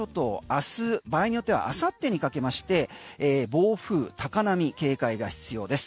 明日、場合によっては明後日にかけまして暴風、高波警戒が必要です。